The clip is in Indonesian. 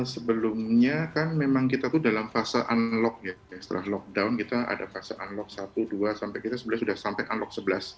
sebelumnya kan memang kita tuh dalam fase unlock ya setelah lockdown kita ada fase unlock satu dua sampai kita sebenarnya sudah sampai unlock sebelas